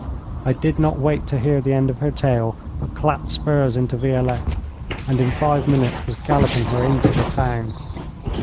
I did not wait to hear the end of her tale, but clapped spurs into Violette, and in five minutes was galloping her into the town.